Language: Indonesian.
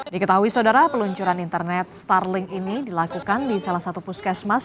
diketahui saudara peluncuran internet starling ini dilakukan di salah satu puskesmas